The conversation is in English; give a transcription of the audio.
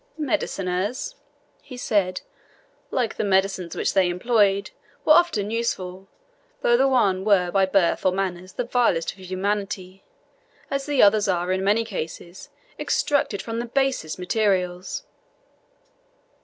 "Mediciners," he said, "like the medicines which they employed, were often useful, though the one were by birth or manners the vilest of humanity, as the others are, in many cases, extracted from the basest materials.